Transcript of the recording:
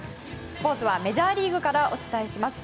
スポーツはメジャーリーグからお伝えします。